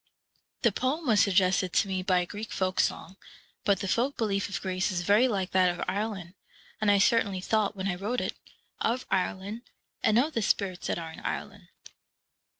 The poem was suggested to me by a Greek folk song; but the folk belief of Greece is very like that of Ireland, and I certainly thought, when I wrote it, of Ireland, and of the spirits that are in Ireland.